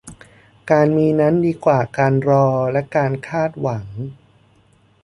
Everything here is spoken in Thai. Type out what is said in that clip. การมีนั้นดีกว่าการรอและการคาดหวัง